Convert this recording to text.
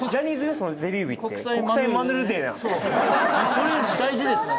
それは大事ですね